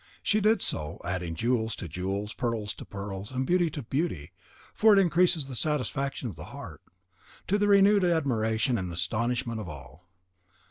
She did so, adding jewels to jewels, pearls to pearls, and beauty to beauty (for it increases with the satisfaction of the heart), to the renewed admiration and astonishment of all.